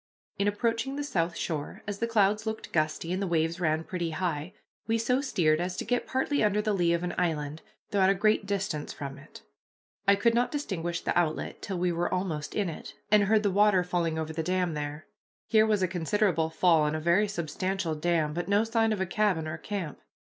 In approaching the south shore, as the clouds looked gusty and the waves ran pretty high, we so steered as to get partly under the lee of an island, though at a great distance from it. I could not distinguish the outlet till we were almost in it, and heard the water falling over the dam there. Here was a considerable fall, and a very substantial dam, but no sign of a cabin or camp.